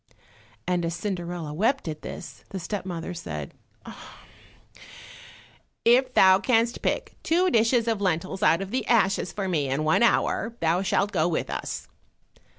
And as Cinderella wept at this, the step mother said, "If thou canst pick two dishes of lentils out of the ashes for me in one hour, thou shalt go with us."